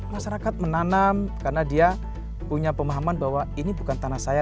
masyarakat menanam karena dia punya pemahaman bahwa ini bukan tanah saya